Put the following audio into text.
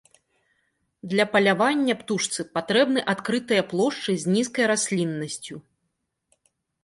Для палявання птушцы патрэбны адкрытыя плошчы з нізкай расліннасцю.